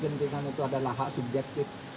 gentingan itu adalah hak subjektif